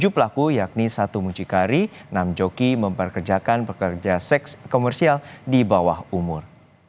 tujuh pelaku yakni satu mucikari enam joki memperkerjakan pekerja seks komersial di bawah umur